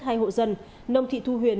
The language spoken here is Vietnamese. hai hộ dân nông thị thu huyền